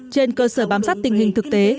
trên cơ sở bám sát tình hình thực tế